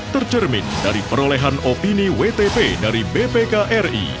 tercermin dari perolehan opini wtp dari bpkri